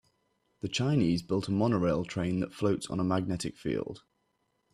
The Chinese built a monorail train that floats on a magnetic field.